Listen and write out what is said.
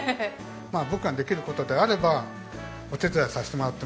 まあ僕ができる事であればお手伝いさせてもらってます。